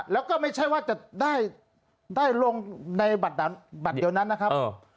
แล้วก็ไม่ใช่ว่าจะได้ลงในบัตรเดียวนั้นนะครับ